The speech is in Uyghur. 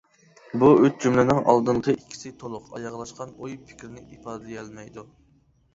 بۇ ئۈچ جۈملىنىڭ ئالدىنقى ئىككىسى تولۇق ئاياغلاشقان ئوي-پىكىرنى ئىپادىلىيەلمەيدۇ.